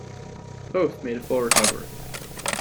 Both made a full recovery.